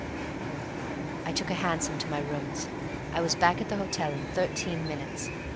I took a hansom to my rooms. I was back at the hotel in thirteen minutes.